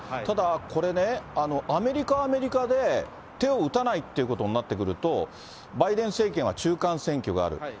ただ、これね、アメリカはアメリカで、手を打たないっていうことになってくると、バイデン政権は中間選挙がある。